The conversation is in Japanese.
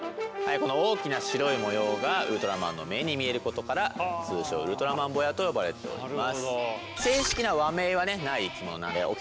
この大きな白い模様がウルトラマンの目に見えることから通称ウルトラマンボヤと呼ばれております。